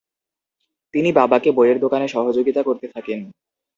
তিনি বাবাকে বইয়ের দোকানে সহযোগিতা করতে থাকেন।